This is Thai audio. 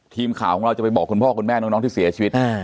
ทีมข่าวของเราจะไปบอกคุณพ่อคุณแม่น้องที่เสียชีวิต